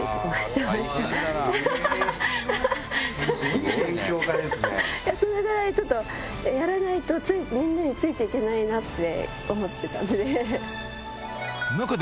いや、それぐらいちょっとやらないと、みんなについていけないなと思ってたんで。